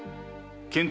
検討